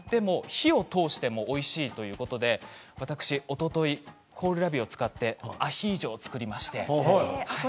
火を通してもおいしいということで私はおとといコールラビを使ってアヒージョを作りました。